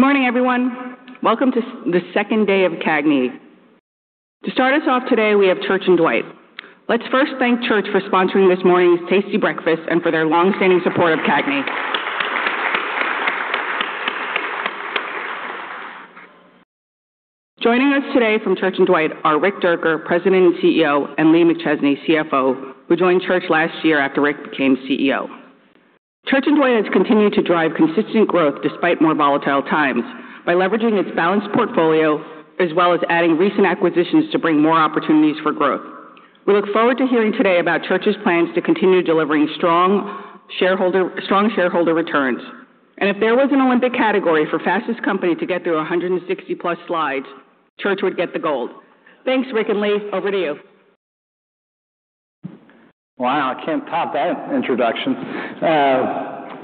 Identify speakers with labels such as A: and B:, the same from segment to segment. A: Morning, everyone. Welcome to the second day of CAGNY. To start us off today, we have Church & Dwight. Let's first thank Church for sponsoring this morning's tasty breakfast and for their long-standing support of CAGNY. Joining us today from Church & Dwight are Rick Dierker, President and CEO, and Lee McChesney, CFO, who joined Church last year after Rick became CEO. Church & Dwight has continued to drive consistent growth despite more volatile times by leveraging its balanced portfolio, as well as adding recent acquisitions to bring more opportunities for growth. We look forward to hearing today about Church's plans to continue delivering strong shareholder, strong shareholder returns. And if there was an Olympic category for fastest company to get through 160+ slides, Church would get the gold. Thanks, Rick and Lee. Over to you.
B: Wow, I can't top that introduction.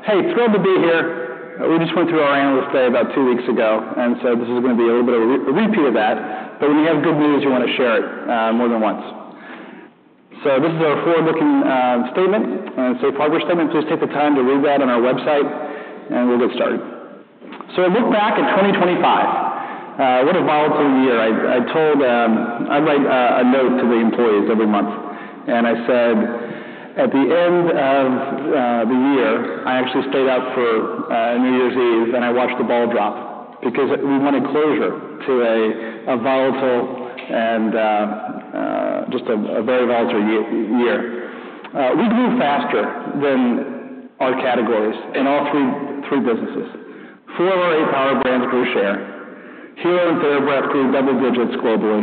B: Hey, thrilled to be here. We just went through our Analyst Day about two weeks ago, and so this is going to be a little bit of a repeat of that, but when you have good news, you want to share it more than once. So this is our forward-looking statement, and it's a Harbor tatement. Please take the time to read that on our website, and we'll get started. So a look back at 2025. What a volatile year! I told... I write a note to the employees every month, and I said, at the end of the year, I actually stayed up for New Year's Eve, and I watched the ball drop because we wanted closure to a volatile and just a very volatile year. We grew faster than our categories in all three businesses. Four of our eight Power Brands grew share. Hero and TheraBreath grew double digits globally.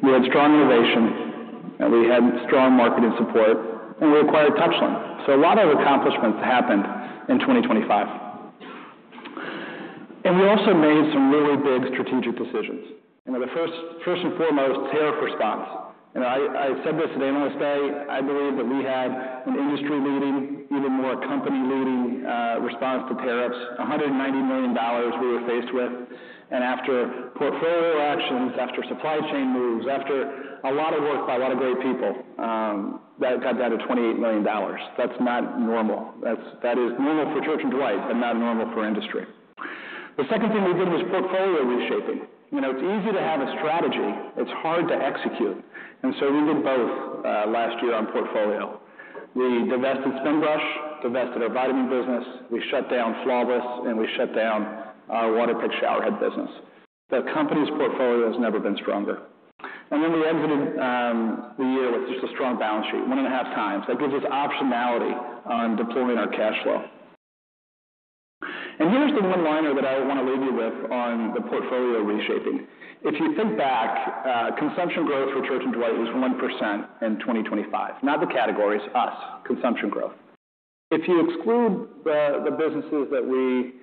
B: We had strong innovation, and we had strong marketing support, and we acquired Touchland. So a lot of accomplishments happened in 2025. And we also made some really big strategic decisions. You know, the first and foremost, tariff response. And I said this at Analyst Day, I believe that we had an industry-leading, even more company-leading, response to tariffs. $190 million we were faced with, and after portfolio actions, after supply chain moves, after a lot of work by a lot of great people, that got down to $28 million. That's not normal. That's, that is normal for Church & Dwight, but not normal for industry. The second thing we did was portfolio reshaping. You know, it's easy to have a strategy, it's hard to execute, and so we did both last year on portfolio. We divested Spinbrush, divested our vitamin business, we shut down Flawless, and we shut down our Waterpik shower head business. The company's portfolio has never been stronger. Then we exited the year with just a strong balance sheet, 1.5x. That gives us optionality on deploying our cash flow. And here's the one-liner that I want to leave you with on the portfolio reshaping. If you think back, consumption growth for Church & Dwight was 1% in 2025. Not the categories, us, consumption growth. If you exclude the businesses that we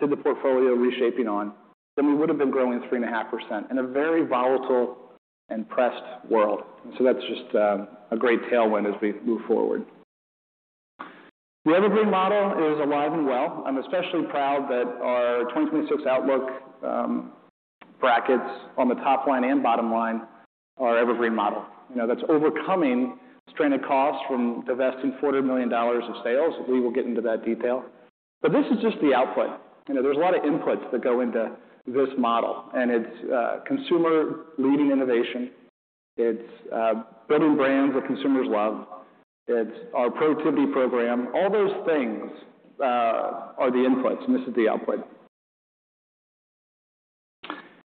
B: did the portfolio reshaping on, then we would have been growing 3.5% in a very volatile and pressed world. So that's just a great tailwind as we move forward. The Evergreen Model is alive and well. I'm especially proud that our 2026 outlook brackets on the top line and bottom line are Evergreen Model. You know, that's overcoming stranded costs from divesting $40 million of sales. We will get into that detail. But this is just the output. You know, there's a lot of inputs that go into this model, and it's consumer-leading innovation, it's building brands that consumers love, it's our Productivity program. All those things are the inputs, and this is the output.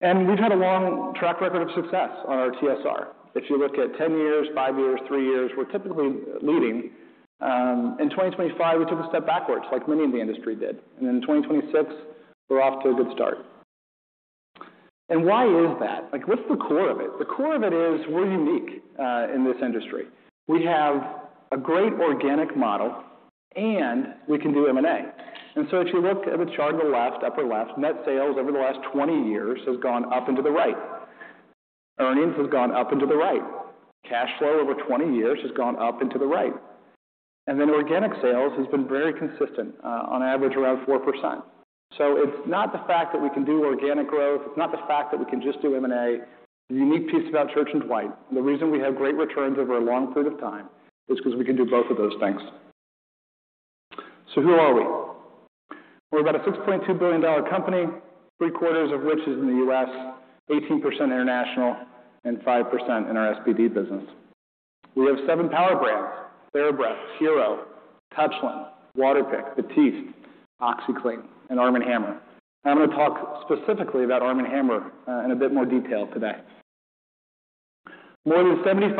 B: And we've had a long track record of success on our TSR. If you look at 10 years, five years, three years, we're typically leading. In 2025, we took a step backwards, like many in the industry did, and in 2026, we're off to a good start. And why is that? Like, what's the core of it? The core of it is we're unique in this industry. We have a great organic model, and we can do M&A. And so if you look at the chart on the left, upper left, net sales over the last 20 years has gone up and to the right. Earnings has gone up and to the right. Cash flow over 20 years has gone up and to the right. And then organic sales has been very consistent on average, around 4%. So it's not the fact that we can do organic growth, it's not the fact that we can just do M&A. The unique piece about Church & Dwight, the reason we have great returns over a long period of time, is because we can do both of those things. So who are we? We're about a $6.2 billion company, three-quarters of which is in the U.S., 18% international, and 5% in our SPD business. We have seven power brands: TheraBreath, Hero, Touchland, Waterpik, Batiste, OxiClean, and ARM & HAMMER. I'm going to talk specifically about ARM & HAMMER in a bit more detail today. More than 75%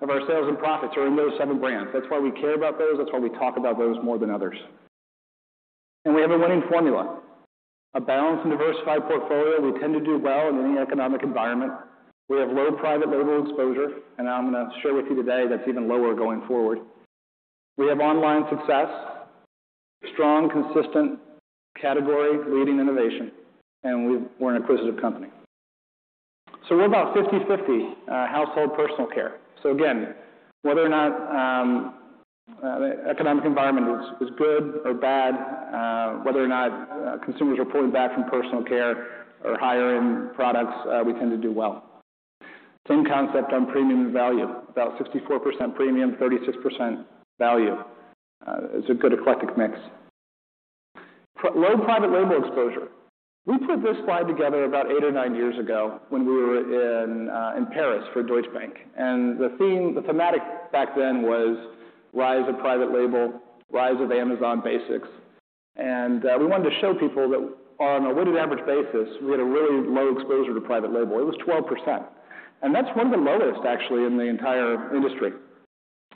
B: of our sales and profits are in those seven brands. That's why we care about those. That's why we talk about those more than others. And we have a winning formula, a balanced and diversified portfolio. We tend to do well in any economic environment. We have low Private Label exposure, and I'm gonna share with you today that's even lower going forward. We have online success, strong, consistent category-leading innovation, and we're an acquisitive company. So we're about 50/50 household personal care. So again, whether or not the economic environment is good or bad, whether or not consumers are pulling back from personal care or higher-end products, we tend to do well. Same concept on premium and value, about 64% premium, 36% value. It's a good eclectic mix. Low Private Label exposure. We put this slide together about eight or nine years ago when we were in Paris for Deutsche Bank, and the theme back then was rise of Private Label, rise of Amazon Basics. We wanted to show people that on a weighted average basis, we had a really low exposure to private label. It was 12%, and that's one of the lowest, actually, in the entire industry.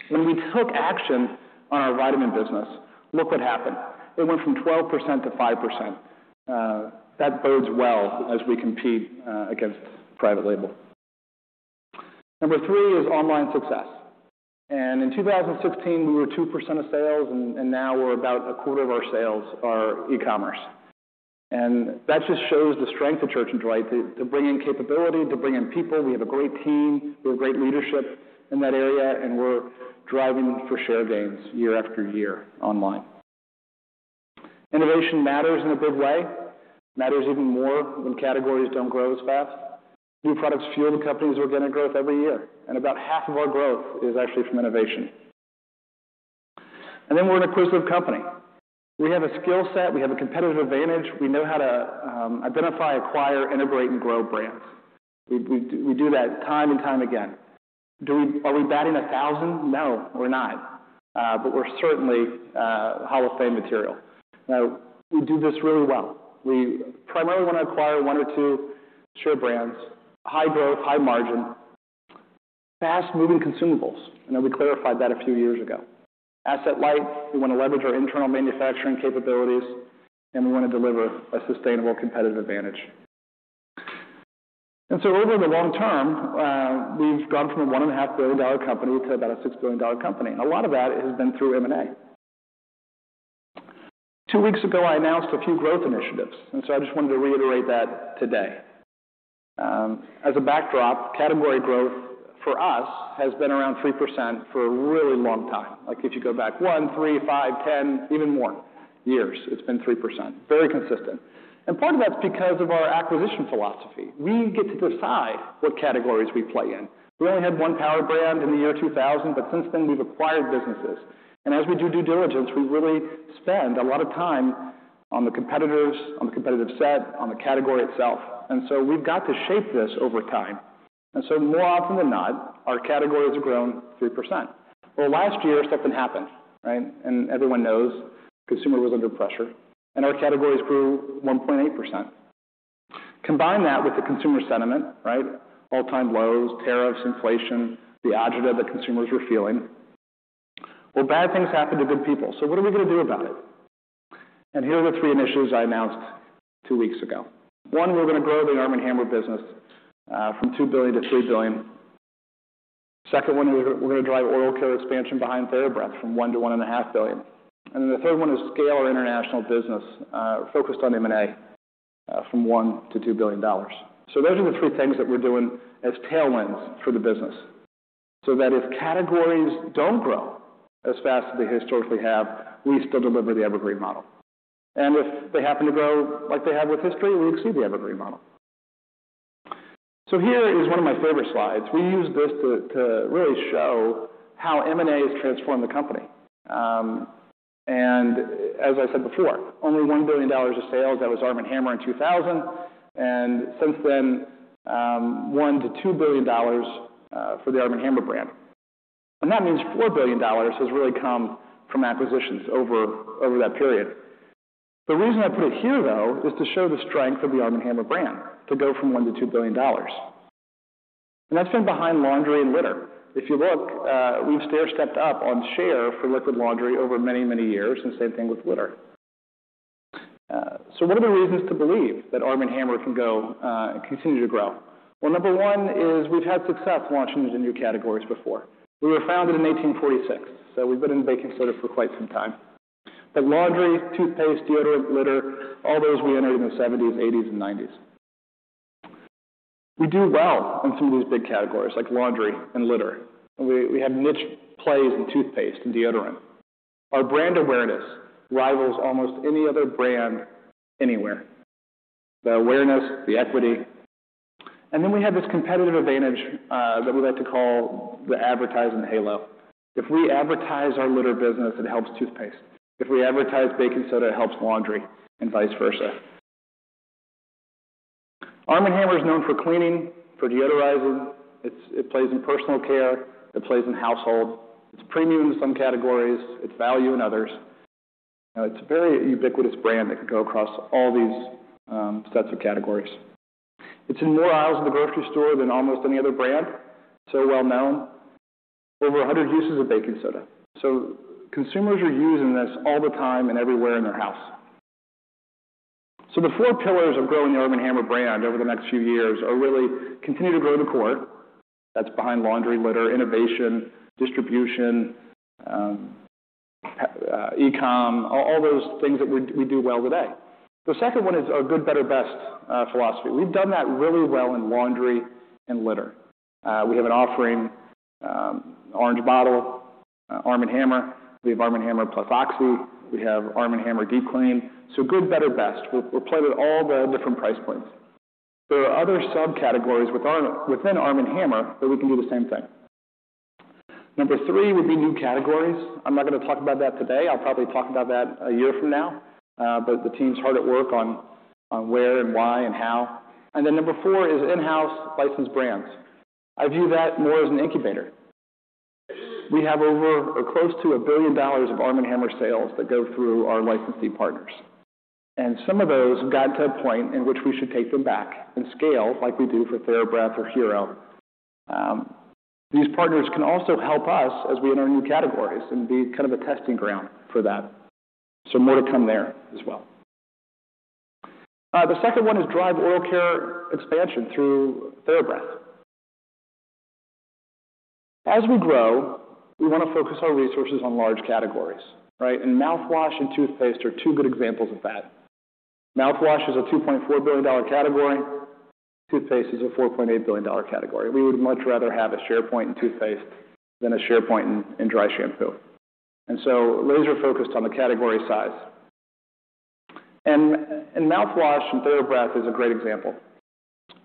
B: When we took action on our vitamin business, look what happened. It went from 12% to 5%. That bodes well as we compete against private label. Number three is online success, and in 2016, we were 2% of sales, and now we're about 25% of our sales are e-commerce. And that just shows the strength of Church & Dwight to bring in capability, to bring in people. We have a great team. We have great leadership in that area, and we're driving for share gains year after year online. Innovation matters in a big way. Matters even more when categories don't grow as fast. New products fuel the company's organic growth every year, and about half of our growth is actually from innovation. And then we're an acquisitive company. We have a skill set, we have a competitive advantage, we know how to identify, acquire, integrate, and grow brands. We do that time and time again. Do we? Are we batting a thousand? No, we're not, but we're certainly Hall of Fame material. Now, we do this really well. We primarily want to acquire one or two share brands, high growth, high margin, fast-moving consumables, and we clarified that a few years ago. Asset light, we want to leverage our internal manufacturing capabilities, and we want to deliver a sustainable competitive advantage. Over the long term, we've gone from a $1.5 billion company to about a $6 billion company, and a lot of that has been through M&A. Two weeks ago, I announced a few growth initiatives, and so I just wanted to reiterate that today. As a backdrop, category growth for us has been around 3% for a really long time. Like, if you go back 1, 3, 5, 10, even more years, it's been 3%. Very consistent. Part of that's because of our acquisition philosophy. We get to decide what categories we play in. We only had one power brand in the year 2000, but since then, we've acquired businesses. As we do due diligence, we really spend a lot of time on the competitors, on the competitive set, on the category itself, and so we've got to shape this over time. And so more often than not, our categories have grown 3%. Well, last year, something happened, right? And everyone knows consumer was under pressure, and our categories grew 1.8%. Combine that with the consumer sentiment, right? All-time lows, tariffs, inflation, the agita that consumers were feeling. Well, bad things happen to good people, so what are we going to do about it? And here are the three initiatives I announced two weeks ago. One, we're going to grow the ARM & HAMMER business from $2 billion-$3 billion. Second one, we're going to drive oral care expansion behind TheraBreath from $1 billion-$1.5 billion. Then the third one is scale our international business, focused on M&A, from $1-$2 billion. So those are the three things that we're doing as tailwinds for the business, so that if categories don't grow as fast as they historically have, we still deliver the Evergreen Model. And if they happen to grow like they have with history, we exceed the Evergreen Model. So here is one of my favorite slides. We use this to really show how M&A has transformed the company. And as I said before, only $1 billion of sales, that was ARM & HAMMER in 2000, and since then, $1-$2 billion for the ARM & HAMMER brand. And that means $4 billion has really come from acquisitions over that period. The reason I put it here, though, is to show the strength of the ARM & HAMMER brand, to go from $1 billion-$2 billion. And that's been behind laundry and litter. If you look, we've stairstepped up on share for liquid laundry over many, many years, and same thing with litter. So what are the reasons to believe that ARM & HAMMER can go, continue to grow? Well, number one is we've had success launching into new categories before. We were founded in 1846, so we've been in baking soda for quite some time. But laundry, toothpaste, deodorant, litter, all those we entered in the 1970s, 1980s, and 1990s. We do well in some of these big categories, like laundry and litter. We have niche plays in toothpaste and deodorant. Our brand awareness rivals almost any other brand anywhere. The awareness, the equity, and then we have this competitive advantage that we like to call the advertising halo. If we advertise our litter business, it helps toothpaste. If we advertise baking soda, it helps laundry and vice versa. ARM & HAMMER is known for cleaning, for deodorizing. It plays in personal care, it plays in household. It's premium in some categories, it's value in others. It's a very ubiquitous brand that could go across all these sets of categories. It's in more aisles of the grocery store than almost any other brand, so well-known. Over 100 uses of baking soda. So consumers are using this all the time and everywhere in their house. So the four pillars of growing the ARM & HAMMER brand over the next few years are really continue to grow the core. That's behind laundry, litter, innovation, distribution, E-com, all, all those things that we, we do well today. The second one is our good, better, best philosophy. We've done that really well in laundry and litter. We have an offering, ARM & HAMMER. We have ARM & HAMMER plus OxiClean. We have ARM & HAMMER Deep Clean. So good, better, best. We're, we're playing with all the different price points. There are other subcategories within ARM & HAMMER that we can do the same thing. Number three would be new categories. I'm not going to talk about that today. I'll probably talk about that a year from now, but the team's hard at work on, on where and why and how. And then number four is in-house licensed brands. I view that more as an incubator. We have over or close to $1 billion of ARM & HAMMER sales that go through our licensee partners, and some of those got to a point in which we should take them back and scale, like we do for TheraBreath or Hero. These partners can also help us as we enter new categories and be kind of a testing ground for that. So more to come there as well. The second one is drive oral care expansion through TheraBreath. As we grow, we want to focus our resources on large categories, right? And mouthwash and toothpaste are two good examples of that. Mouthwash is a $2.4 billion category. Toothpaste is a $4.8 billion category. We would much rather have a share point in toothpaste than a share point in dry shampoo. And so laser-focused on the category size. Mouthwash and TheraBreath is a great example.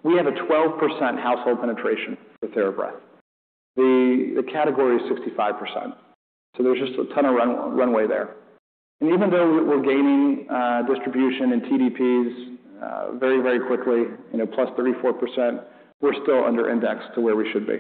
B: We have a 12% household penetration with TheraBreath. The category is 65%, so there's just a ton of runway there. And even though we're gaining distribution in TDPs very, very quickly, you know, plus 34%, we're still under-indexed to where we should be.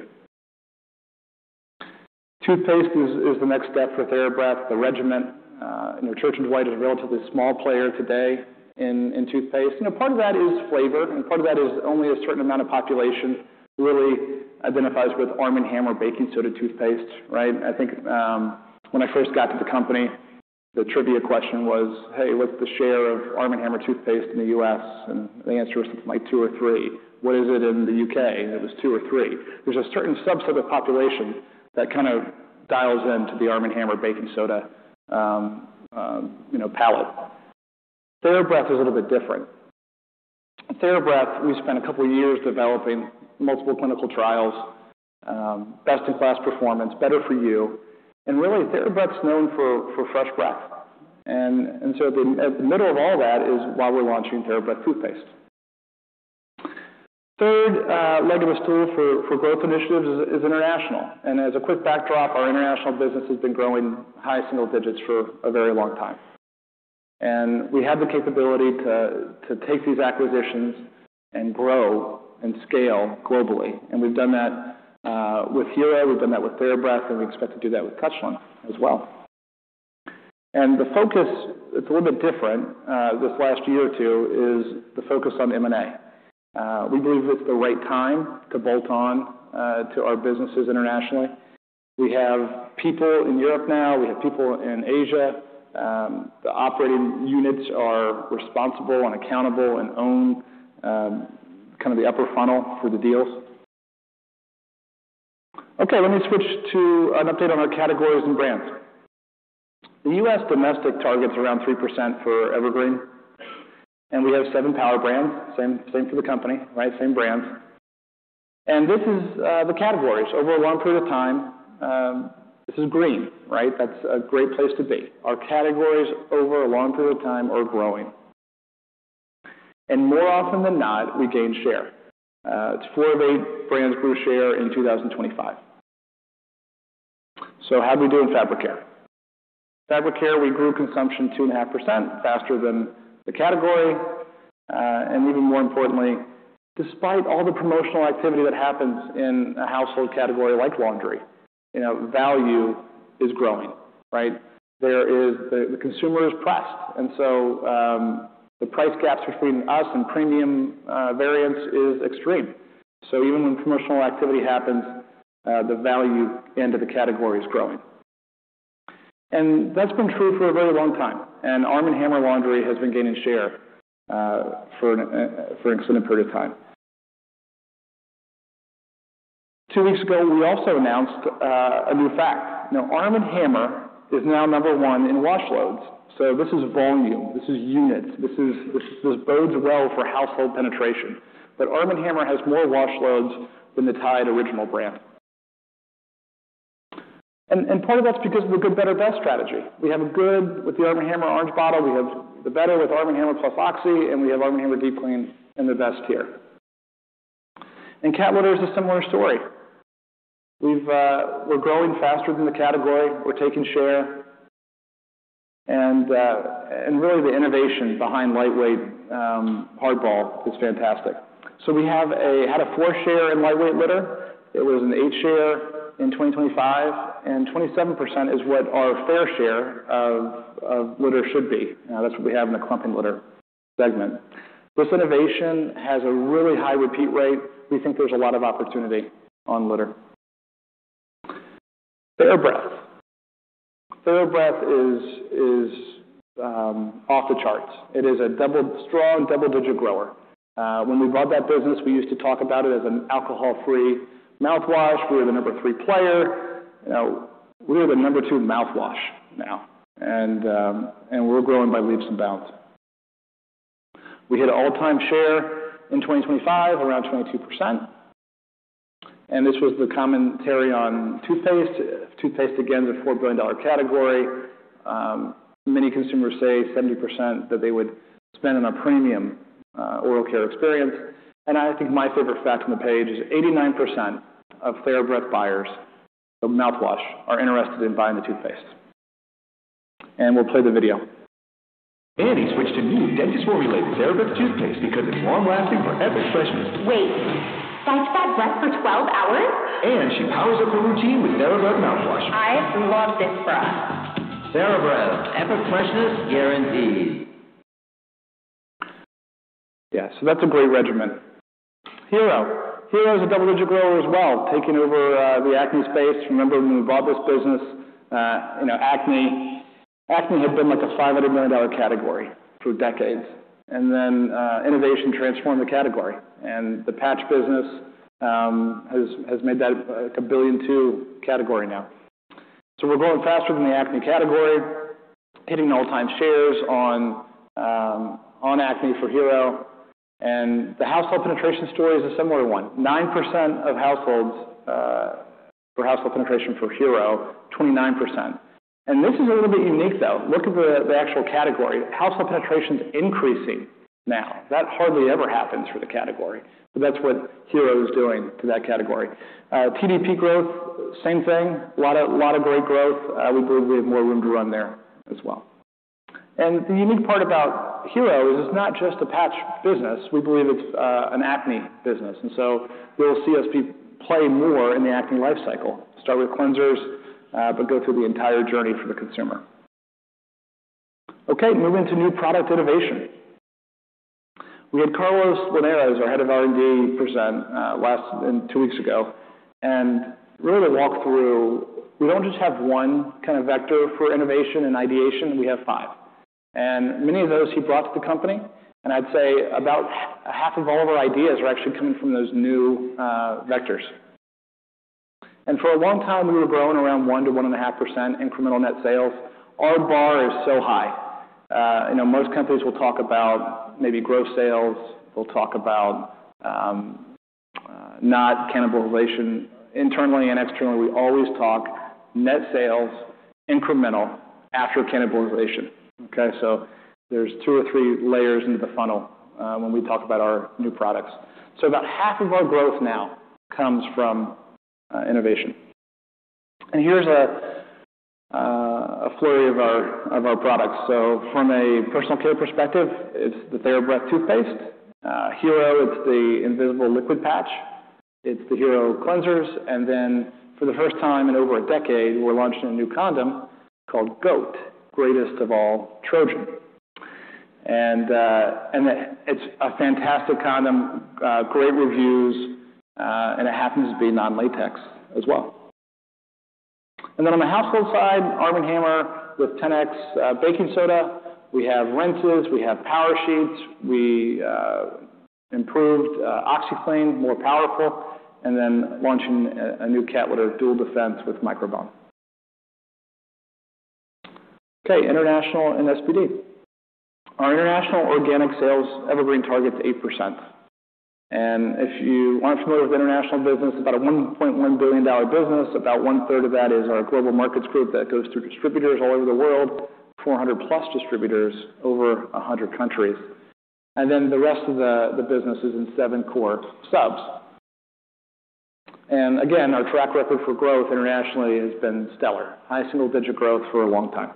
B: Toothpaste is the next step for TheraBreath, the regimen. You know, Church & Dwight is a relatively small player today in toothpaste. You know, part of that is flavor, and part of that is only a certain amount of population really identifies with ARM & HAMMER baking soda toothpaste, right? I think, when I first got to the company, the trivia question was: "Hey, what's the share of ARM & HAMMER toothpaste in the U.S.?" And the answer was something like two or three. What is it in the UK?" And it was two or three. There's a certain subset of population that kind of dials into the ARM & HAMMER baking soda, you know, palate. TheraBreath is a little bit different. TheraBreath, we spent a couple of years developing multiple clinical trials, best-in-class performance, better for you, and really, TheraBreath's known for fresh breath. And so at the middle of all that is why we're launching TheraBreath toothpaste. Third, leg of a stool for growth initiatives is international. And as a quick backdrop, our international business has been growing high single digits for a very long time. We have the capability to take these acquisitions and grow and scale globally, and we've done that with Hero, we've done that with TheraBreath, and we expect to do that with Touchland as well. The focus, it's a little bit different this last year or two, is the focus on M&A. We believe it's the right time to bolt on to our businesses internationally. We have people in Europe now. We have people in Asia. The operating units are responsible and accountable and own kind of the upper funnel for the deals. Okay, let me switch to an update on our categories and brands. The U.S. domestic target's around 3% for Evergreen, and we have seven power brands, same, same for the company, right? Same brands. This is the categories over a long period of time. This is green, right? That's a great place to be. Our categories over a long period of time are growing. And more often than not, we gain share. It's four of eight brands grew share in 2025. So how'd we do in Fabric Care? Fabric Care, we grew consumption 2.5% faster than the category, and even more importantly, despite all the promotional activity that happens in a household category like laundry, you know, value is growing, right? The consumer is pressed, and so, the price gaps between us and premium variants is extreme. So even when promotional activity happens, the value end of the category is growing. That's been true for a very long time, and ARM & HAMMER Laundry has been gaining share for an extended period of time. Two weeks ago, we also announced a new fact. Now, ARM & HAMMER is now number one in wash loads. So this is volume, this is units, this bodes well for household penetration. But ARM & HAMMER has more wash loads than the Tide original brand. And part of that's because of the good, better, best strategy. We have a good with the ARM & HAMMER orange bottle, we have the better with ARM & HAMMER plus Oxi, and we have ARM & HAMMER Deep Clean in the best tier. And cat litter is a similar story. We're growing faster than the category. We're taking share. Really, the innovation behind lightweight HardBall is fantastic. So we had a 4 share in lightweight litter. It was an 8 share in 2025, and 27% is what our fair share of litter should be. Now, that's what we have in the clumping litter segment. This innovation has a really high repeat rate. We think there's a lot of opportunity on litter. TheraBreath. TheraBreath is off the charts. It is a strong double-digit grower. When we bought that business, we used to talk about it as an alcohol-free mouthwash. We were the number 3 player. You know, we are the number 2 mouthwash now, and we're growing by leaps and bounds. We hit all-time share in 2025, around 22%, and this was the commentary on toothpaste. Toothpaste, again, is a $4 billion category. Many consumers say 70% that they would spend on a premium, oral care experience. And I think my favorite fact on the page is 89% of TheraBreath buyers of mouthwash are interested in buying the toothpaste. And we'll play the video.
C: Annie switched to new dentist-formulated TheraBreath toothpaste because it's long-lasting for epic freshness. Wait, fights bad breath for 12 hours? She powers up her routine with TheraBreath mouthwash. I love this breath! TheraBreath, epic freshness guaranteed.
B: Yeah, so that's a great regimen. Hero. Hero is a double-digit grower as well, taking over the acne space. Remember when we bought this business, you know, acne, acne had been, like, a $500 million category for decades, and then, innovation transformed the category, and the patch business has made that, like, a $1.2 billion category now. So we're growing faster than the acne category, hitting all-time shares on, on acne for Hero. And the household penetration story is a similar one. 9% of households for household penetration for Hero, 29%. And this is a little bit unique, though. Look at the actual category. Household penetration's increasing now. That hardly ever happens for the category, but that's what Hero is doing to that category. PDP growth, same thing. A lot of great growth. We believe we have more room to run there as well. And the unique part about Hero is it's not just a patch business. We believe it's an acne business, and so we'll see us play more in the acne life cycle. Start with cleansers, but go through the entire journey for the consumer. Okay, moving to new product innovation. We had Carlos Linares, our Head of R&D, present last two weeks ago, and really walk through, we don't just have one kind of vector for innovation and ideation, we have five. And many of those he brought to the company, and I'd say about half of all of our ideas are actually coming from those new vectors. And for a long time, we were growing around 1%-1.5% incremental net sales. Our bar is so high. You know, most companies will talk about maybe growth sales, they'll talk about not cannibalization. Internally and externally, we always talk net sales, incremental, after cannibalization. Okay, so there's two or three layers into the funnel when we talk about our new products. So about half of our growth now comes from innovation. Here's a flurry of our products. So from a personal care perspective, it's the TheraBreath toothpaste. Hero, it's the invisible liquid patch, it's the Hero cleansers, and then for the first time in over a decade, we're launching a new condom called GOAT, Greatest Of All Trojan. And it's a fantastic condom, great reviews, and it happens to be non-latex as well. And then on the household side, ARM & HAMMER with 10X baking soda. We have rinses, we have Power Sheets, we improved OxiClean, more powerful, and then launching a new cat litter, Dual Defense with Microban. Okay, international and SPD. Our international organic sales, Evergreen target's 8%. And if you aren't familiar with international business, about a $1.1 billion business, about one third of that is our Global Markets Group that goes through distributors all over the world, 400+ distributors, over 100 countries. And then the rest of the business is in seven core subs. And again, our track record for growth internationally has been stellar. High single-digit growth for a long time.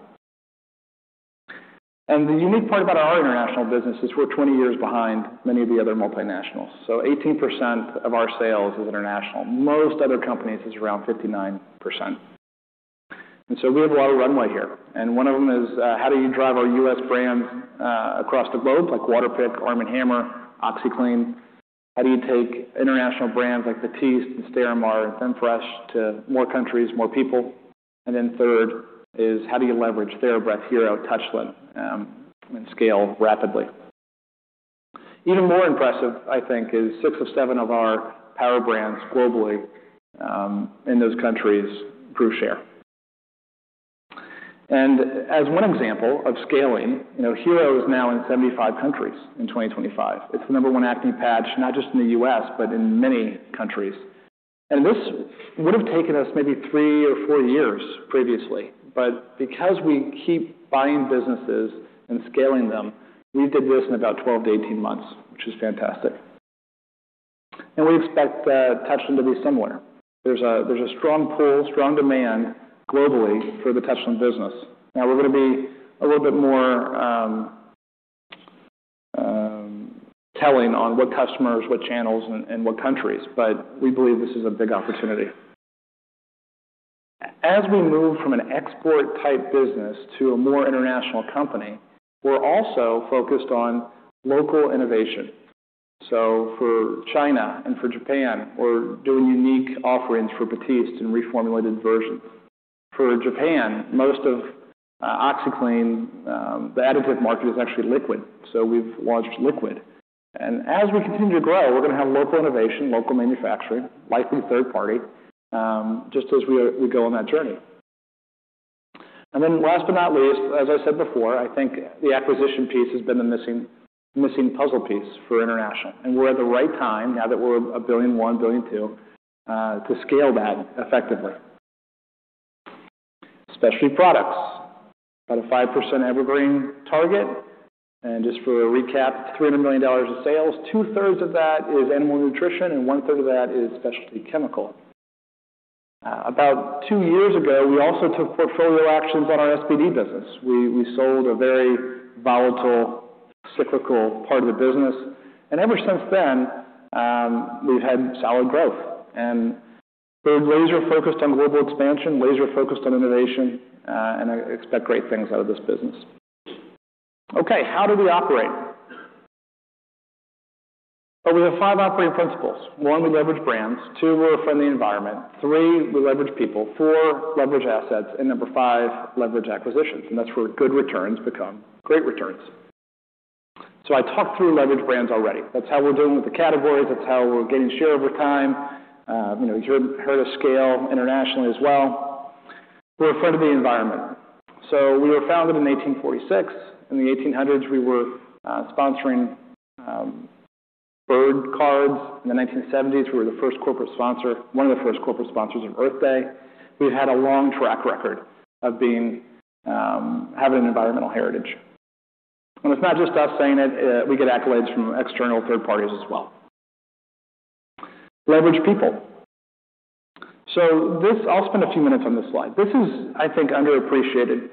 B: And the unique part about our international business is we're 20 years behind many of the other multinationals, so 18% of our sales is international. Most other companies, it's around 59%. So we have a lot of runway here, and one of them is, how do you drive our U.S. brands across the globe, like Waterpik, ARM & HAMMER, OxiClean? How do you take international brands like Batiste and Stérimar and Femfresh to more countries, more people? And then third is, how do you leverage TheraBreath, Hero, Touchland, and scale rapidly? Even more impressive, I think, is 6 of 7 of our Power Brands globally, in those countries, gain share. And as one example of scaling, you know, Hero is now in 75 countries in 2025. It's the number one acne patch, not just in the U.S., but in many countries. And this would have taken us maybe three or four years previously, but because we keep buying businesses and scaling them, we did this in about 12-18 months, which is fantastic. We expect Touchland to be similar. There's a strong pull, strong demand globally for the Touchland business. Now, we're gonna be a little bit more telling on what customers, what channels, and what countries, but we believe this is a big opportunity. As we move from an export-type business to a more international company, we're also focused on local innovation. So for China and for Japan, we're doing unique offerings for Batiste and reformulated versions. For Japan, most of OxiClean, the additive market is actually liquid, so we've launched liquid. And as we continue to grow, we're gonna have local innovation, local manufacturing, likely third party, just as we go on that journey. And then last but not least, as I said before, I think the acquisition piece has been the missing puzzle piece for international. And we're at the right time, now that we're $1.1 billion-$1.2 billion, to scale that effectively. Specialty products, about a 5% evergreen target. And just for a recap, $300 million of sales. Two-thirds of that is animal nutrition, and one-third of that is specialty chemical. About two years ago, we also took portfolio actions on our SPD business. We, we sold a very volatile, cyclical part of the business, and ever since then, we've had solid growth. And we're laser-focused on global expansion, laser-focused on innovation, and I expect great things out of this business. Okay, how do we operate? Well, we have 5 operating principles. One, we leverage brands. Two, we're a friendly environment. Three, we leverage people. Four, leverage assets. And number 5, leverage acquisitions, and that's where good returns become great returns. So I talked through leverage brands already. That's how we're doing with the categories. That's how we're gaining share over time. You know, you heard of scale internationally as well. We're a friend of the environment. So we were founded in 1846. In the 1800s, we were sponsoring bird cards. In the 1970s, we were the first corporate sponsor, one of the first corporate sponsors of Earth Day. We've had a long track record of being having an environmental heritage. And it's not just us saying it, we get accolades from external third parties as well. Leverage people. So this... I'll spend a few minutes on this slide. This is, I think, underappreciated.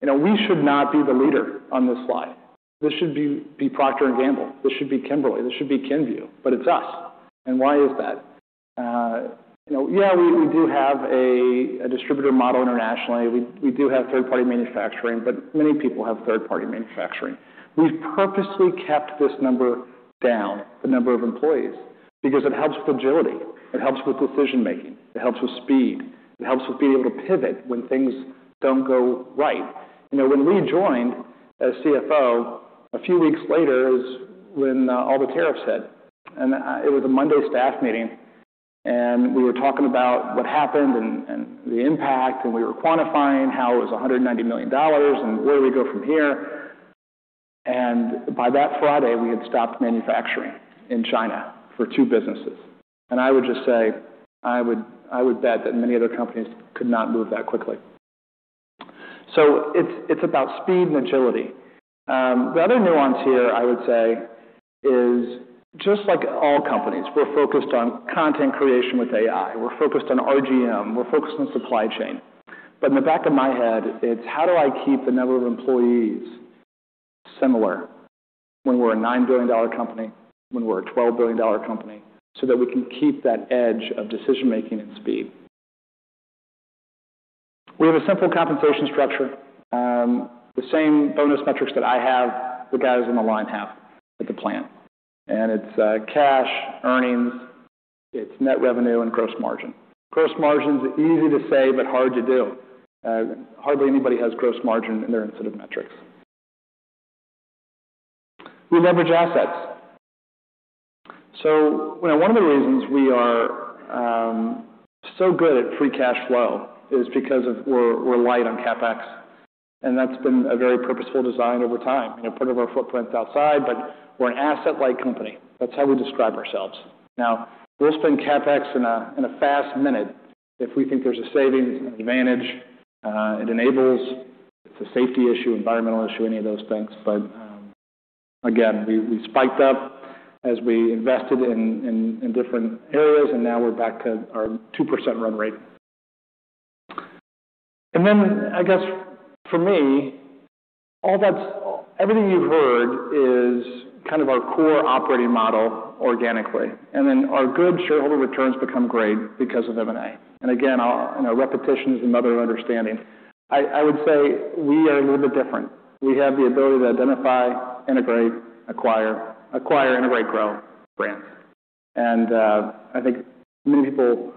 B: You know, we should not be the leader on this slide. This should be Procter & Gamble, this should be Kimberly-Clark, this should be Kenvue, but it's us. And why is that? You know, yeah, we do have a distributor model internationally. We do have third-party manufacturing, but many people have third-party manufacturing. We've purposely kept this number down, the number of employees, because it helps agility, it helps with decision-making, it helps with speed, it helps with being able to pivot when things don't go right. You know, when we joined as CFO, a few weeks later is when all the tariffs hit. And it was a Monday staff meeting, and we were talking about what happened and the impact, and we were quantifying how it was $190 million and where do we go from here. And by that Friday, we had stopped manufacturing in China for two businesses. And I would just say, I would, I would bet that many other companies could not move that quickly. So it's, it's about speed and agility. The other nuance here, I would say, is just like all companies, we're focused on content creation with AI, we're focused on RGM, we're focused on supply chain. But in the back of my head, it's how do I keep the number of employees similar when we're a $9 billion company, when we're a $12 billion company, so that we can keep that edge of decision-making and speed? We have a simple compensation structure. The same bonus metrics that I have, the guys on the line have at the plant, and it's cash, earnings, it's net revenue, and gross margin. Gross margin is easy to say but hard to do. Hardly anybody has gross margin in their incentive metrics. We leverage assets. So, you know, one of the reasons we are so good at free cash flow is because we're light on CapEx, and that's been a very purposeful design over time. You know, part of our footprint is outside, but we're an asset-light company. That's how we describe ourselves. Now, we'll spend CapEx in a fast minute if we think there's a savings, an advantage, it enables, it's a safety issue, environmental issue, any of those things. But, again, we spiked up as we invested in different areas, and now we're back to our 2% run rate. And then I guess for me, all that's—everything you've heard is kind of our core operating model organically, and then our good shareholder returns become great because of M&A. And again, you know, repetition is another understanding. I would say we are a little bit different. We have the ability to identify, integrate, acquire, acquire, integrate, grow brands. And I think many people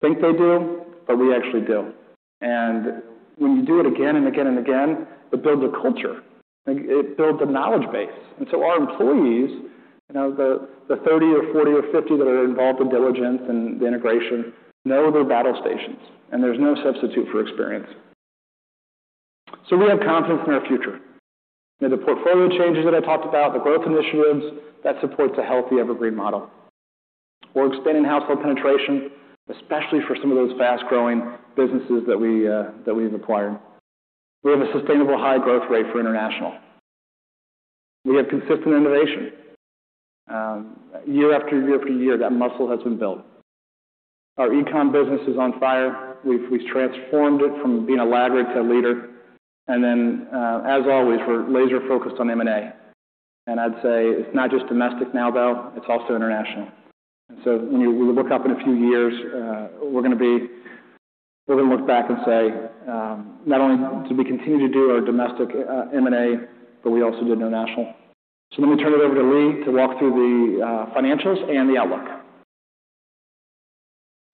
B: think they do, but we actually do. And when you do it again and again and again, it builds a culture, it builds a knowledge base. And so our employees, you know, the 30 or 40 or 50 that are involved in diligence and the integration, know their battle stations, and there's no substitute for experience. So we have confidence in our future. You know, the portfolio changes that I talked about, the growth initiatives, that supports a healthy Evergreen Model. We're expanding household penetration, especially for some of those fast-growing businesses that we, that we've acquired. We have a sustainable high growth rate for international. We have consistent innovation. Year after year after year, that muscle has been built. Our E-com business is on fire. We've, we've transformed it from being a laggard to a leader. And then, as always, we're laser-focused on M&A. And I'd say it's not just domestic now, though, it's also international. And so when you look up in a few years, we're gonna be-- we're gonna look back and say, "Not only did we continue to do our domestic M&A, but we also did international." So let me turn it over to Lee to walk through the financials and the outlook.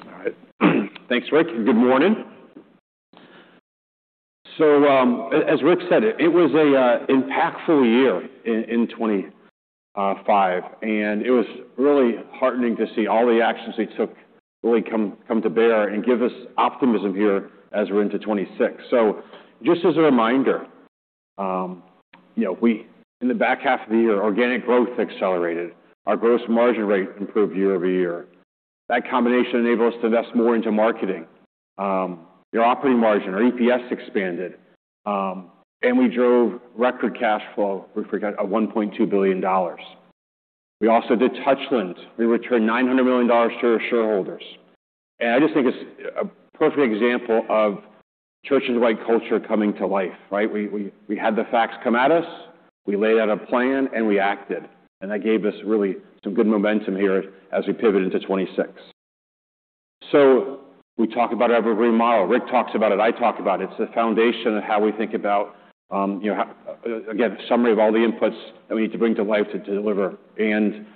D: All right. Thanks, Rick. Good morning. So, as Rick said, it was a impactful year in 2025, and it was really heartening to see all the actions we took really come to bear and give us optimism here as we're into 2026. So just as a reminder, you know, in the back half of the year, organic growth accelerated. Our gross margin rate improved year-over-year. That combination enabled us to invest more into marketing. Our operating margin, our EPS expanded, and we drove record cash flow of $1.2 billion. We also did Touchland. We returned $900 million to our shareholders. And I just think it's a perfect example of Church & Dwight culture coming to life, right? We had the facts come at us, we laid out a plan, and we acted, and that gave us really some good momentum here as we pivot into 2026. So we talk about our Evergreen Model. Rick talks about it, I talk about it. It's the foundation of how we think about, you know. Again, summary of all the inputs that we need to bring to life to deliver. And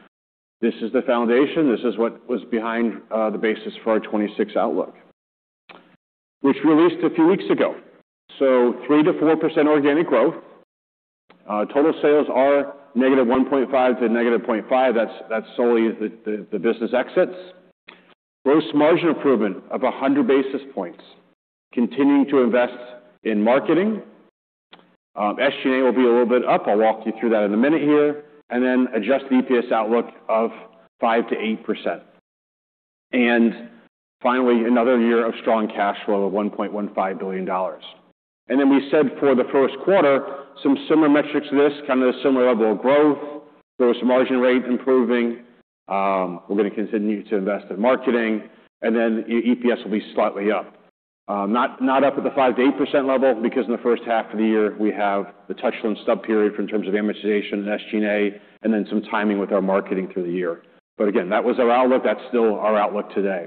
D: this is the foundation. This is what was behind the basis for our 2026 outlook, which we released a few weeks ago. So 3%-4% organic growth. Total sales are -1.5% to -0.5%. That's solely the business exits. Gross margin improvement of 100 basis points, continuing to invest in marketing. SG&A will be a little bit up. I'll walk you through that in a minute here. And then adjust the EPS outlook of 5%-8%. And finally, another year of strong cash flow of $1.15 billion. And then we said for the first quarter, some similar metrics to this, kind of a similar level of growth, gross margin rate improving. We're gonna continue to invest in marketing, and then EPS will be slightly up. Not, not up at the 5%-8% level, because in the first half of the year we have the Touchland's stub period in terms of amortization and SG&A, and then some timing with our marketing through the year. But again, that was our outlook. That's still our outlook today.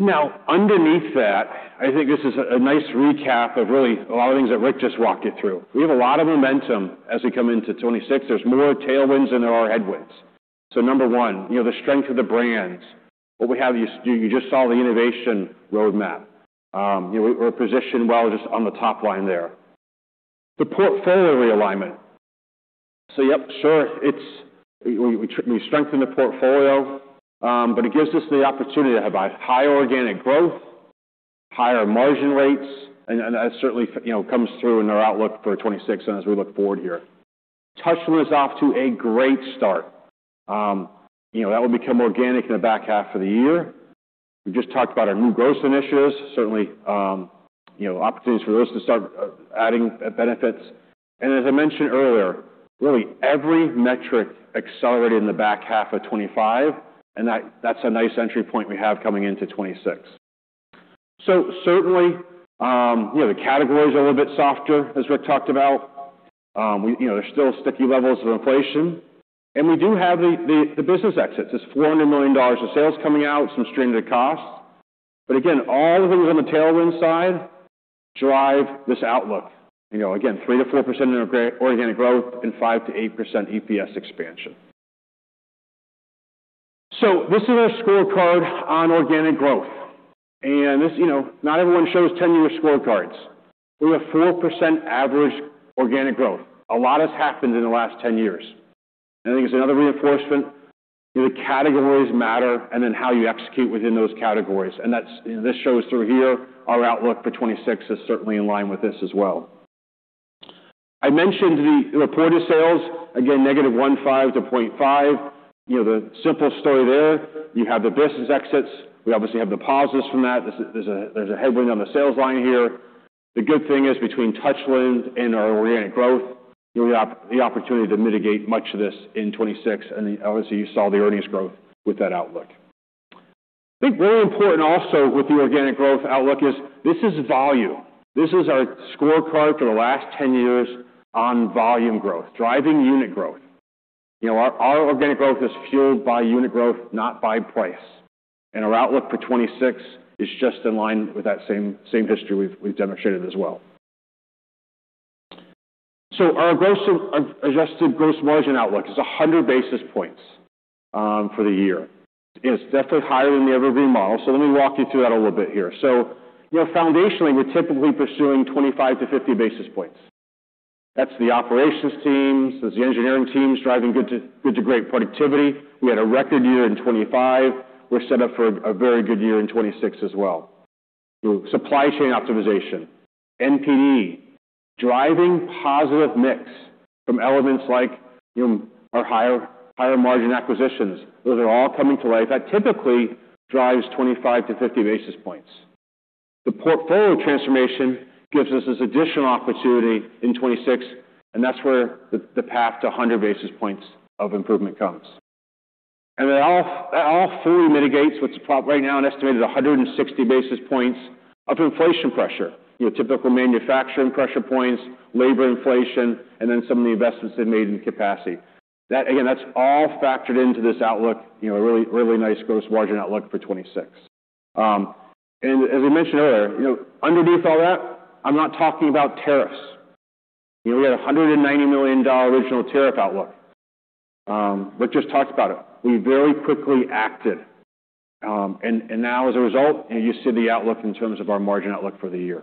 D: Now, underneath that, I think this is a nice recap of really a lot of things that Rick just walked you through. We have a lot of momentum as we come into 2026. There's more tailwinds than there are headwinds. So number one, you know, the strength of the brands. What we have is, you just saw the innovation roadmap. You know, we're positioned well just on the top line there. The portfolio realignment. So yep, sure, it's. We strengthen the portfolio, but it gives us the opportunity to have a high organic growth, higher margin rates, and that, certainly, you know, comes through in our outlook for 2026 and as we look forward here. Touchland is off to a great start. You know, that will become organic in the back half of the year. We just talked about our new growth initiatives, certainly, you know, opportunities for those to start adding benefits. As I mentioned earlier, really every metric accelerated in the back half of 2025, and that, that's a nice entry point we have coming into 2026. So certainly, you know, the categories are a little bit softer, as Rick talked about. We, you know, there's still sticky levels of inflation, and we do have the business exits. There's $400 million of sales coming out, some stream to costs. But again, all the things on the tailwind side drive this outlook. You know, again, 3%-4% in organic growth and 5%-8% EPS expansion. So this is our scorecard on organic growth. And this, you know, not everyone shows 10-year scorecards. We have 4% average organic growth. A lot has happened in the last 10 years. I think it's another reinforcement, the categories matter, and then how you execute within those categories. That's, this shows through here, our outlook for 2026 is certainly in line with this as well. I mentioned the reported sales, again, -1.5% to -0.5%. You know, the simple story there, you have the business exits. We obviously have divestitures from that. There's a headwind on the sales line here. The good thing is, between Touchland's and our organic growth, you know, we have the opportunity to mitigate much of this in 2026, and obviously, you saw the earnings growth with that outlook. I think very important also with the organic growth outlook is this is volume. This is our scorecard for the last 10 years on volume growth, driving unit growth. You know, our organic growth is fueled by unit growth, not by price. Our outlook for 2026 is just in line with that same, same history we've, we've demonstrated as well. Our adjusted gross margin outlook is 100 basis points for the year. It's definitely higher than the Evergreen Model, so let me walk you through that a little bit here. You know, foundationally, we're typically pursuing 25-50 basis points. That's the operations teams, that's the engineering teams driving good to, good to great productivity. We had a record year in 2025. We're set up for a very good year in 2026 as well. Supply chain optimization, NPD, driving positive mix from elements like our higher, higher-margin acquisitions. Those are all coming to light. That typically drives 25-50 basis points. The portfolio transformation gives us this additional opportunity in 2026, and that's where the path to 100 basis points of improvement comes. And that all fully mitigates what's probably right now, an estimated 160 basis points of inflation pressure, your typical manufacturing pressure points, labor inflation, and then some of the investments they've made in capacity. That, again, that's all factored into this outlook, you know, a really, really nice gross margin outlook for 2026. And as I mentioned earlier, you know, underneath all that, I'm not talking about tariffs. You know, we had a $190 million original tariff outlook. Rick just talked about it. We very quickly acted, and now as a result, you see the outlook in terms of our margin outlook for the year.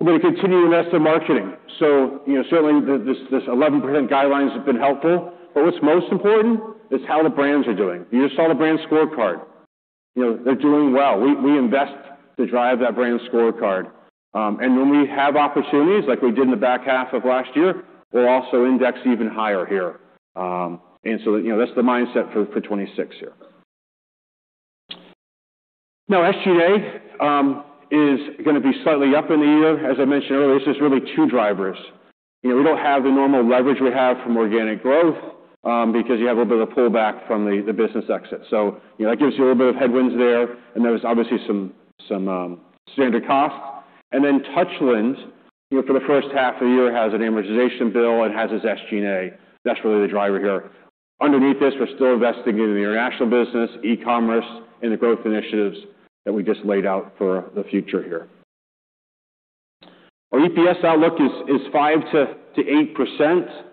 D: We're going to continue to invest in marketing. So, you know, certainly this 11% guidelines have been helpful, but what's most important is how the brands are doing. You just saw the brand scorecard. You know, they're doing well. We invest to drive that brand scorecard. And when we have opportunities, like we did in the back half of last year, we'll also index even higher here. And so, you know, that's the mindset for 2026 here. Now, SG&A is going to be slightly up in the year. As I mentioned earlier, this is really two drivers. You know, we don't have the normal leverage we have from organic growth, because you have a little bit of a pullback from the business exit. So, you know, that gives you a little bit of headwinds there, and there was obviously some standard costs. And then Touchland, for the first half of the year, has an amortization bill and has its SG&A. That's really the driver here. Underneath this, we're still investing in the international business, e-commerce, and the growth initiatives that we just laid out for the future here. Our EPS outlook is 5%-8%.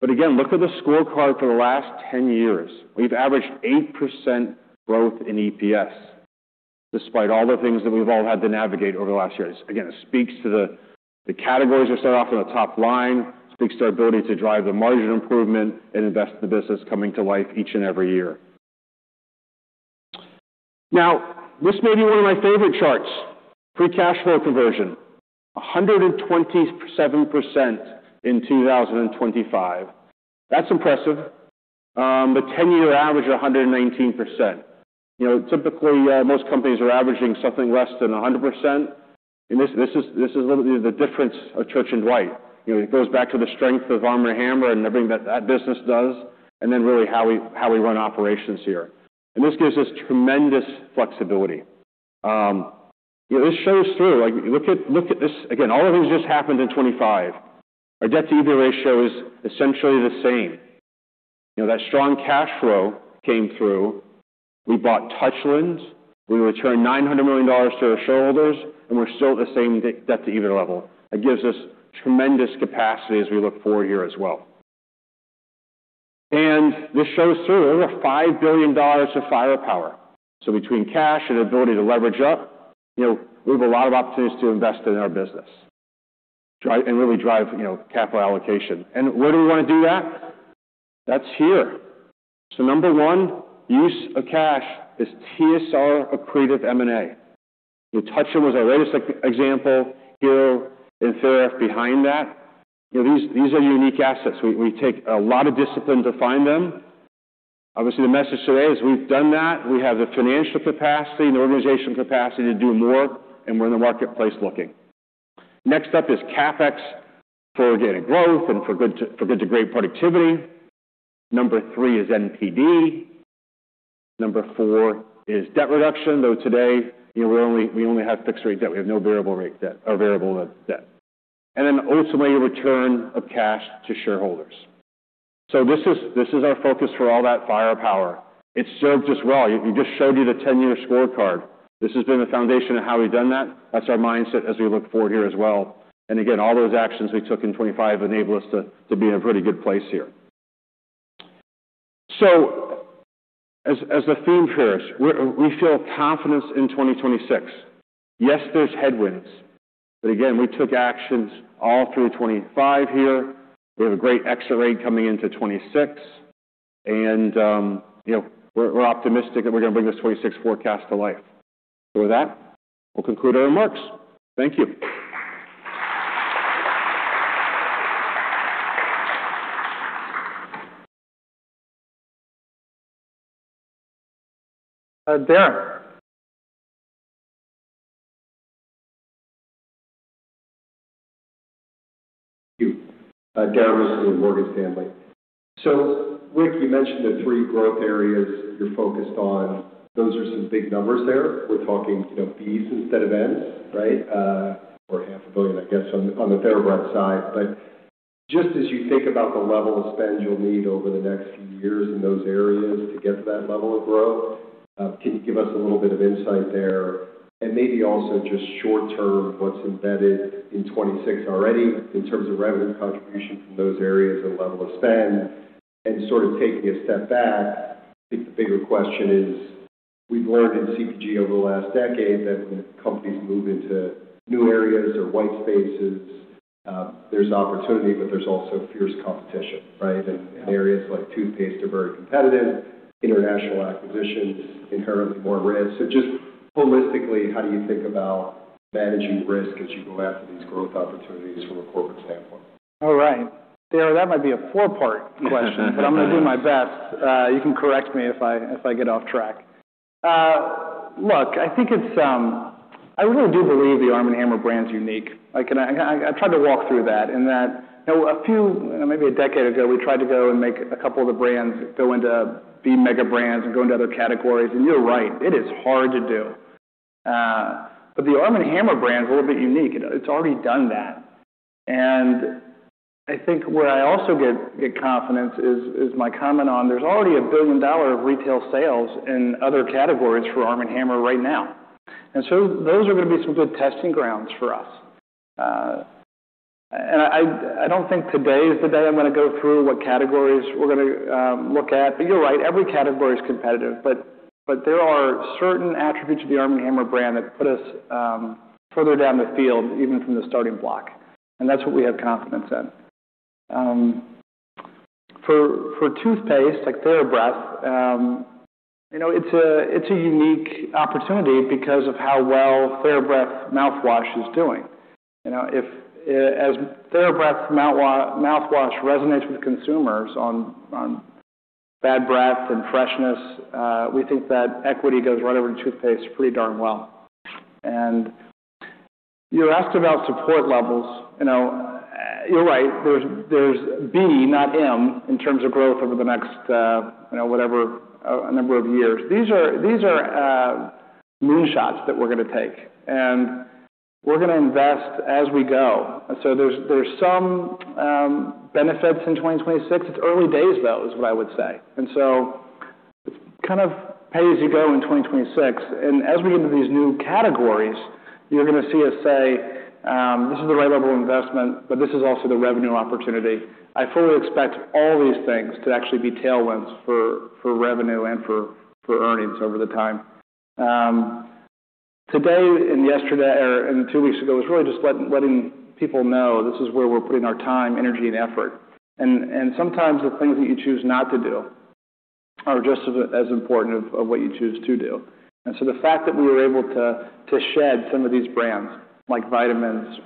D: But again, look at the scorecard for the last 10 years. We've averaged 8% growth in EPS, despite all the things that we've all had to navigate over the last years. Again, it speaks to the categories we start off on the top line, speaks to our ability to drive the margin improvement and invest in the business coming to life each and every year. Now, this may be one of my favorite charts. Free cash flow conversion, 127% in 2025. That's impressive. The 10-year average is 119%. You know, typically, most companies are averaging something less than 100%, and this, this is, this is literally the difference of Church & Dwight. You know, it goes back to the strength of ARM & HAMMER and everything that that business does, and then really how we, how we run operations here. And this gives us tremendous flexibility. This shows through. Like, look at, look at this again, all of this just happened in 2025. Our debt-to-EBITDA ratio is essentially the same. You know, that strong cash flow came through. We bought Touchland, we returned $900 million to our shareholders, and we're still at the same debt-to-EBITDA level. It gives us tremendous capacity as we look forward here as well. And this shows through over $5 billion of firepower. So between cash and ability to leverage up, you know, we have a lot of opportunities to invest in our business, drive, and really drive, you know, capital allocation. And where do we want to do that? That's here. So number one use of cash is TSR-accretive M&A. The Touchland was our latest example here, and we're behind that. These are unique assets. We take a lot of discipline to find them. Obviously, the message today is we've done that. We have the financial capacity and the organizational capacity to do more, and we're in the marketplace looking. Next up is CapEx for organic growth and for good to great productivity. Number three is NPD. Number four is debt reduction, though today, you know, we only have fixed rate debt. We have no variable rate debt or variable debt. And then ultimately, a return of cash to shareholders. So this is, this is our focus for all that firepower. It served us well. We just showed you the ten-year scorecard. This has been the foundation of how we've done that. That's our mindset as we look forward here as well. And again, all those actions we took in 2025 enable us to, to be in a pretty good place here. So as, as the theme here is, we, we feel confidence in 2026. Yes, there's headwinds, but again, we took actions all through 2025 here. We have a great X-ray coming into 2026, and, you know, we're, we're optimistic that we're going to bring this 2026 forecast to life. So with that, we'll conclude our remarks. Thank you.
B: Uh.
E: So Rick, you mentioned the three growth areas you're focused on. Those are some big numbers there. We're talking, you know, B's instead of N's, right? Or half a billion, I guess, on the, on the Hero brand side. But just as you think about the level of spend you'll need over the next few years in those areas to get to that level of growth, can you give us a little bit of insight there? And maybe also just short term, what's embedded in 2026 already in terms of revenue contribution from those areas and level of spend. And sort of taking a step back, I think the bigger question is, we've learned in CPG over the last decade that when companies move into new areas or white spaces, there's opportunity, but there's also fierce competition, right? Areas like toothpaste are very competitive, international acquisitions, inherently more risk. So just holistically, how do you think about managing risk as you go after these growth opportunities from a corporate standpoint?
B: All right. Darren, that might be a four-part question - but I'm going to do my best. You can correct me if I get off track. Look, I think it's. I really do believe the ARM & HAMMER brand is unique. Like, and I tried to walk through that, and that, you know, a few, maybe a decade ago, we tried to go and make a couple of the brands go into be mega brands and go into other categories. And you're right, it is hard to do. But the ARM & HAMMER brand is a little bit unique. It's already done that. And I think where I also get confidence is my comment on there's already $1 billion of retail sales in other categories for ARM & HAMMER right now... And so those are going to be some good testing grounds for us. And I don't think today is the day I'm going to go through what categories we're going to look at. But you're right, every category is competitive, but there are certain attributes of the ARM & HAMMER brand that put us further down the field, even from the starting block, and that's what we have confidence in. For toothpaste, like TheraBreath, you know, it's a unique opportunity because of how well TheraBreath mouthwash is doing. You know, if as TheraBreath mouthwash resonates with consumers on bad breath and freshness, we think that equity goes right over to toothpaste pretty darn well. And you asked about support levels. You know, you're right, there's B, not M, in terms of growth over the next, you know, whatever, a number of years. These are moonshots that we're going to take, and we're going to invest as we go. And so there's some benefits in 2026. It's early days, though, is what I would say. And so kind of pay as you go in 2026. And as we get into these new categories, you're going to see us say, "This is the right level of investment, but this is also the revenue opportunity." I fully expect all these things to actually be tailwinds for revenue and for earnings over the time. Today and yesterday, and two weeks ago, was really just letting people know this is where we're putting our time, energy, and effort. Sometimes the things that you choose not to do are just as important of what you choose to do. So the fact that we were able to shed some of these brands, like Vitamins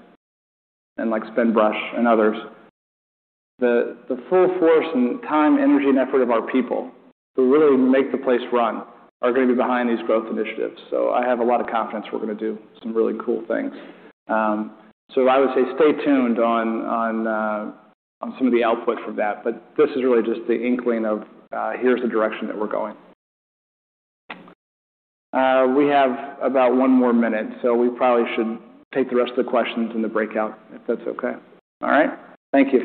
B: and like Spinbrush and others, the full force and time, energy and effort of our people, who really make the place run, are going to be behind these growth initiatives. So I have a lot of confidence we're going to do some really cool things. So I would say stay tuned on some of the output from that, but this is really just the inkling of here's the direction that we're going. We have about one more minute, so we probably should take the rest of the questions in the breakout, if that's okay. All right? Thank you.